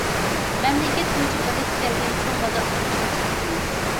مەملىكەت بويىچە بىرلىككە كەلگەن چوڭ بازار قۇرۇلۇشىنى تېزلىتىمىز.